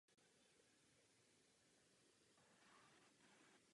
Zanikla tak stálá expozice archeologie a historie.